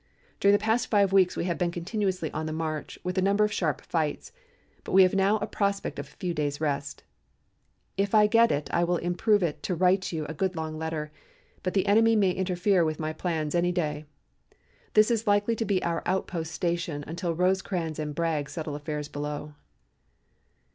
During the past five weeks we have been continuously on the march, with a number of sharp fights. But we have now a prospect of a few days' rest. If I get it I will improve it to write you a good long letter, but the enemy may interfere with my plans any day. This is likely to be our outpost station until Rosecrans and Bragg settle affairs below.